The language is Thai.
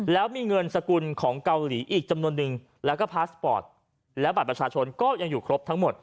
แล้วมีเงินสกุลของเกาหลีอีกจำนวนนึงแล้วก็พาสปอร์ตและบัตรประชาชนก็ยังอยู่ครบทั้งหมด